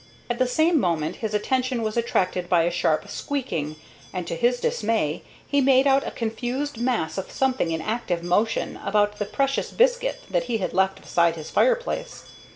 At the same moment his attention was attracted by a sharp squeaking, and, to his dismay, he made out a confused mass of something in active motion about the precious biscuit that he had left beside his fireplace.